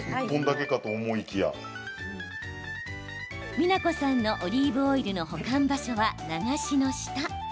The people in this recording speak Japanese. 美奈子さんのオリーブオイルの保管場所は流しの下。